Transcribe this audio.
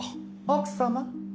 奥様。